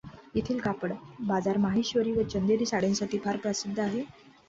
येथील कापड बाजार माहेश्वरी व चंदेरी साड्यांसाठी फार प्रसिद्ध आहे.